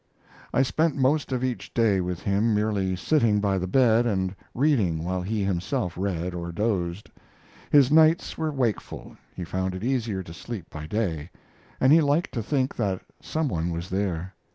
I spent most of each day with him, merely sitting by the bed and reading while he himself read or dozed. His nights were wakeful he found it easier to sleep by day and he liked to think that some one was there.